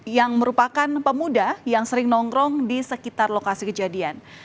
yang merupakan pemuda yang sering nongkrong di sekitar lokasi kejadian